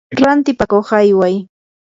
rantipakuq ayway.